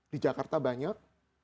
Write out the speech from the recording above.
di jakarta banyak